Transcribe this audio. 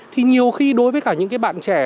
thì nhiều khi đối với cả những cái bạn trẻ